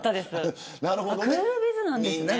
クールビズなんですね。